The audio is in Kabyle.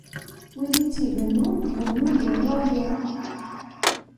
Wid i t-ibennun, bennun di rrayeɛ.